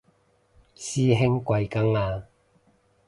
師兄貴庚啊